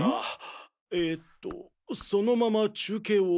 えとそのまま中継を。